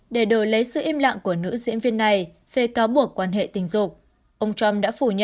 hai nghìn một mươi sáu để đổi lấy sự im lặng của nữ diễn viên này về cáo buộc quan hệ tình dục ông trump đã phủ nhận